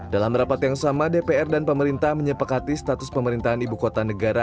dalam rapat yang sama dpr dan pemerintah menyepakati status pemerintahan ibu kota negara